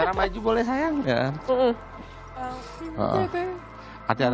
tiara maju boleh sayang